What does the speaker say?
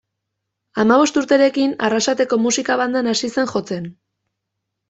Hamabost urterekin, Arrasateko Musika Bandan hasi zen jotzen.